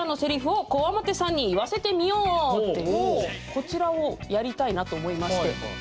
こちらをやりたいなと思いまして。